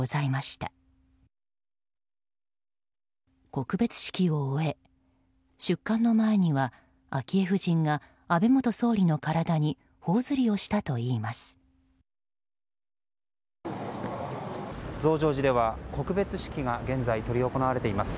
告別式を終え、出棺の前には昭恵夫人が安倍元総理の体に頬ずりをしたといいます。